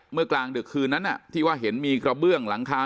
กลางดึกคืนนั้นที่ว่าเห็นมีกระเบื้องหลังคา